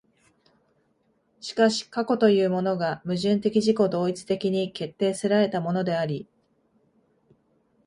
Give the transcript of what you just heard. しかし過去というものが矛盾的自己同一的に決定せられたものであり、